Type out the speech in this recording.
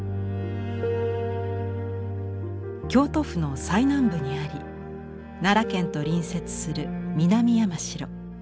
京都府の最南部にあり奈良県と隣接する南山城。